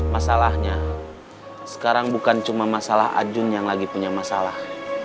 masalahnya sekarang bukan cuma masalah ajun yang lagi punya masalah